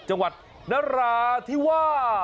จังหวัดนราธิวาส